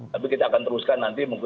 tapi kita akan teruskan nanti